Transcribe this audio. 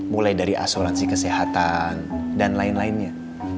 mulai dari asuransi kesehatan dan lain lainnya